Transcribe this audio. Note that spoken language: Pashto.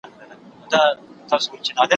په هر قتل هر آفت کي به دى ياد وو